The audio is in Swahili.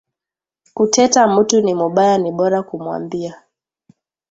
Kuteta mutu ni mubaya ni bora kumwambia